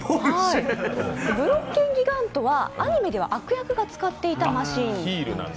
ブロッケンギガントはアニメでは悪役が使っていたものです。